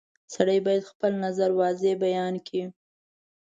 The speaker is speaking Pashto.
• سړی باید خپل نظر واضح بیان کړي.